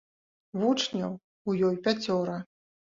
Вучняў у ёй пяцёра.